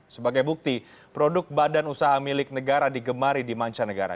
sebagai bukti produk badan usaha milik negara digemari di mancanegara